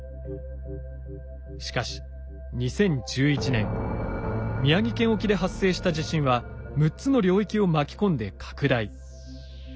しかし２０１１年宮城県沖で発生した地震は６つの領域を巻き込んで拡大。